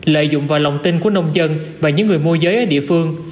lợi dụng vào lòng tin của nông dân và những người môi giới ở địa phương